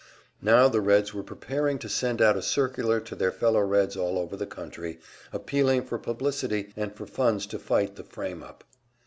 Now the Reds were preparing to send out a circular to their fellow Reds all over the country, appealing for publicity, and for funds to fight the "frame up."